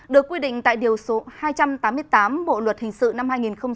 được quy định tại điều hai trăm tám mươi tám bộ luật hình sự năm hai nghìn một mươi năm